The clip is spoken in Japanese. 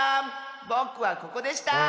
ぼくはここでした！